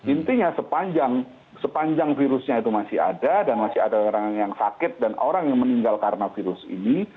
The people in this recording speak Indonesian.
intinya sepanjang virusnya itu masih ada dan masih ada orang yang sakit dan orang yang meninggal karena virus ini